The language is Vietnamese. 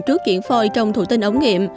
trước chuyển phôi trong thủ tinh ống nghiệm